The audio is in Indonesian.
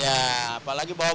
apalagi kalau ke bawah